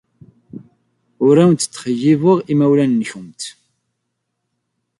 Ur awent-ttxeyyibeɣ imawlan-nwent.